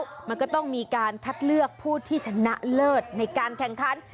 มันก็ต้องมีการคัดเลือกผู้ที่ชนะเลิศในการแข่งขัน